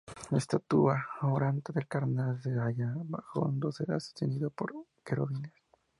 La estatua orante del cardenal se halla bajo un dosel sostenido por querubines.